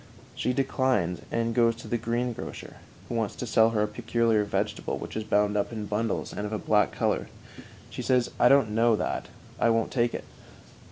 She declines, and goes to the greengrocer, who wants to sell her a peculiar vegetable which is bound up in bundles and of a black color. She says: "I don't know that; I won't take it."